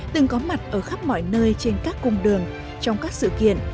từng có mặt ở khắp mọi nơi trên các cung đường trong các sự kiện